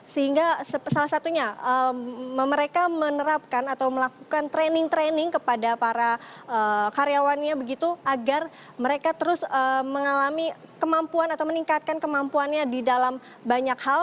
sehingga salah satunya mereka menerapkan atau melakukan training training kepada para karyawannya begitu agar mereka terus mengalami kemampuan atau meningkatkan kemampuannya di dalam banyak hal